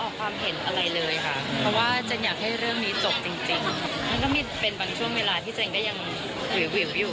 มันก็ไม่เป็นบางช่วงเวลาที่เจนก็ยังหวิวอยู่